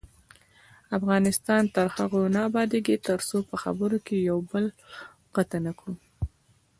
افغانستان تر هغو نه ابادیږي، ترڅو په خبرو کې یو بل قطع نکړو.